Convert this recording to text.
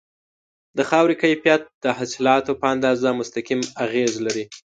د خاورې کیفیت د حاصلاتو په اندازه مستقیم اغیز لري.